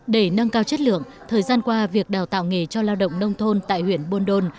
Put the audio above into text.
để nâng cao chất lượng thời gian qua việc đào tạo nghề cho lao động nông thôn tại huyện buôn đôn